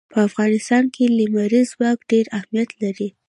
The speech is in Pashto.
په افغانستان کې لمریز ځواک ډېر اهمیت لري.